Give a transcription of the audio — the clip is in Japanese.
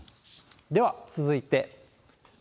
では、続いて。